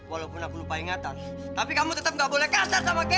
walaupun aku lupa ingatan tapi kamu tetap gak boleh kasar sama kita